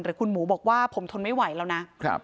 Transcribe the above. คุณหมูบอกว่าผมทนไม่ไหวแล้วนะ